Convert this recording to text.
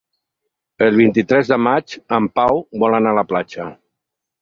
El vint-i-tres de maig en Pau vol anar a la platja.